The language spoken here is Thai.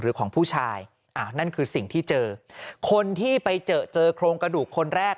ของผู้ชายอ่านั่นคือสิ่งที่เจอคนที่ไปเจอเจอโครงกระดูกคนแรก